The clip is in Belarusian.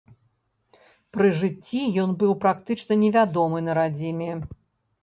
Пры жыцці ён быў практычна невядомы на радзіме.